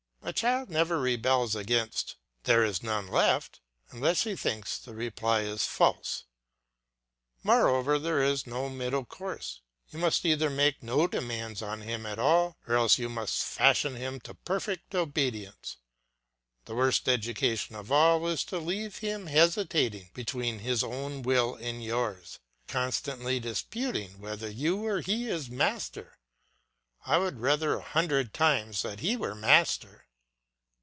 A child never rebels against, "There is none left," unless he thinks the reply is false. Moreover, there is no middle course; you must either make no demands on him at all, or else you must fashion him to perfect obedience. The worst education of all is to leave him hesitating between his own will and yours, constantly disputing whether you or he is master; I would rather a hundred times that he were master.